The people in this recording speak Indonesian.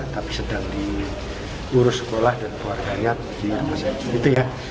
tapi sedang diurus sekolah dan keluarganya di rumah sakit